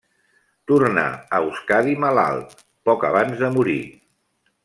Tornà a Euskadi malalt, poc abans de morir.